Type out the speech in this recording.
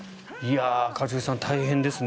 一茂さん、大変ですね。